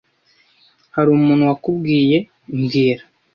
Hari umuntu wakubwiye mbwira (